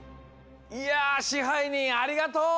いや支配人ありがとう！